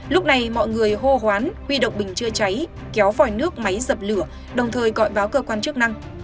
lúc này mọi người hô hoán huy động bình chữa cháy kéo vòi nước máy dập lửa đồng thời gọi báo cơ quan chức năng